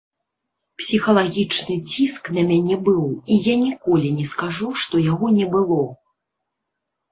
Псіхалагічны ціск на мяне быў і я ніколі не скажу, што яго не было.